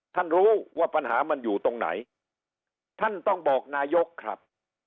ท่านรู้ว่าปัญหามันอยู่ตรงไหนท่านต้องบอกนายกครับ